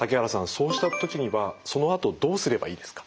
そうした時にはそのあとどうすればいいですか？